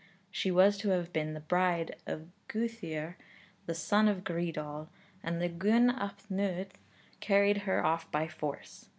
She was to have been the bride of Gwythyr, the son of Greidawl, when Gwyn ap Nudd carried her off by force.